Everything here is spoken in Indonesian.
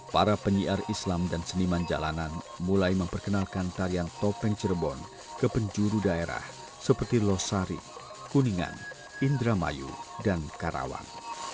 para penyiar islam dan seniman jalanan mulai memperkenalkan tarian topeng cirebon ke penjuru daerah seperti losari kuningan indramayu dan karawang